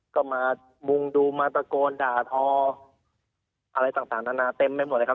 ก็มามุงดูมาตะโกนด่าทออะไรต่างนานาเต็มไปหมดเลยครับ